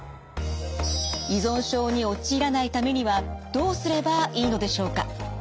依存症に陥らないためにはどうすればいいのでしょうか。